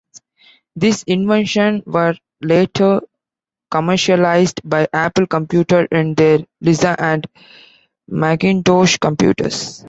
These inventions were later commercialized by Apple Computer in their Lisa and Macintosh computers.